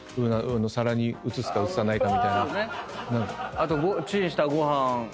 あとチンしたご飯をね